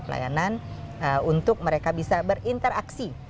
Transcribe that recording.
pelayanan untuk mereka bisa berinteraksi